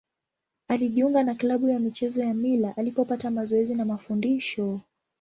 Alijiunga na klabu ya michezo ya Mila alipopata mazoezi na mafundisho.